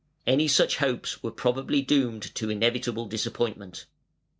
Any such hopes were probably doomed to inevitable disappointment.